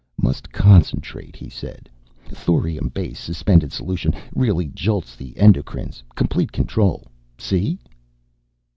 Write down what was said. "Must concentrate," he said. "Thorium base, suspended solution. Really jolts the endocrines, complete control ... see?"